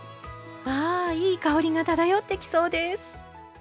あいい香りが漂ってきそうです！